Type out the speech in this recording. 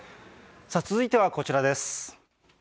続いてはこちらです。